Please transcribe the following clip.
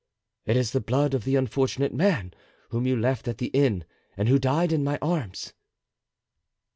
"It is the blood of the unfortunate man whom you left at the inn and who died in my arms."